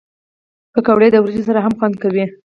پکورې د وریجو سره هم خوند کوي